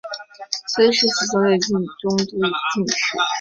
崔氏四兄弟都中进士。